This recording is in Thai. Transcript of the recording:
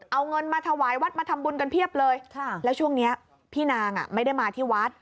เอาเงินมาถวายวัดมาทำบุญกันเพียบเลยแล้วช่วงนี้พี่นางไม่ได้มาที่วัด